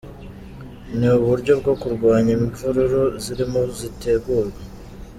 Ni uburyo bwo kurwanya imvururu zirimo zitegurwa.